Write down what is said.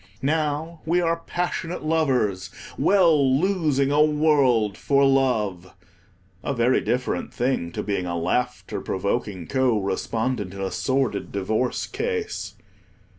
Now we are passionate lovers, well losing a world for love—a very different thing to being a laughter provoking co respondent in a sordid divorce case.